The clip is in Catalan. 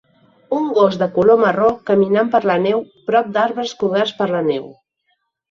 Un gos de color marró caminant per la neu prop d"arbres coberts per la neu.